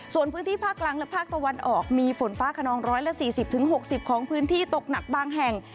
ส่วนพื้นที่ภาคหลังและภาคตะวันออกมีฝนฟ้าขนองร้อยละสี่สิบถึงหกสิบของพื้นที่ตกหนักบางแห่ง